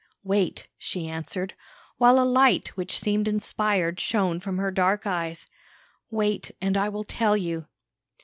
"Wait," she answered, while a light, which seemed inspired, shone from her dark eyes "wait, and I will tell you.